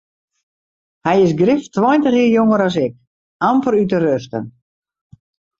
Hy is grif tweintich jier jonger as ik, amper út de ruften.